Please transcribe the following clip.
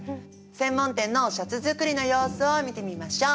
専門店のシャツ作りの様子を見てみましょう。